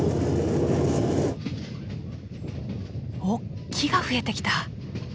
お木が増えてきた。